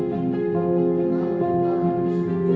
mencoba untuk mencoba